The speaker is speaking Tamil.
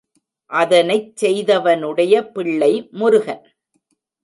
அதனைச் செய்தவனுடைய பிள்ளை முருகன்.